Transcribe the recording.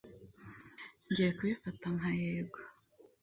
ngiye kubifata nka yego